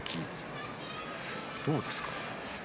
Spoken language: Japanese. どうですか。